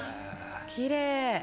きれい。